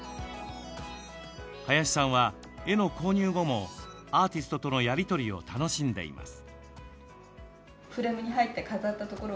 林さんは絵の購入後もアーティストとのやり取りを楽しんでいます。